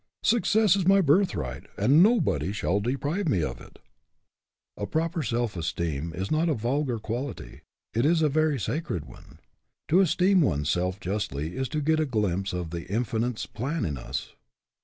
Success is my birthright, and nobody shall deprive me of it." A proper self esteem is not a vulgar qual ity. It is a very sacred one. To esteem one self justly is to get a glimpse of the Infinite's plan in us.